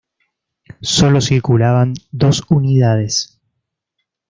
Solo circulaban dos unidades.